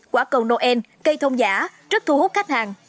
quả cầu noel cây thông giả rất thu hút khách hàng